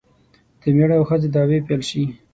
د میړه او ښځې دعوې پیل شي.